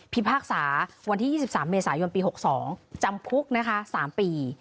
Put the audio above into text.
พิพากษาวันที่ยี่สิบสามเมษายนปีหกสองจำคุกนะคะสามปี